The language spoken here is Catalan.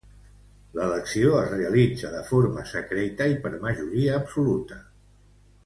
L'elecció es realitza de forma secreta i per majoria absoluta.